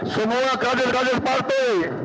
semua kaget kaget partai